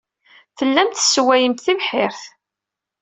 Tellamt tesswayemt tibḥirt.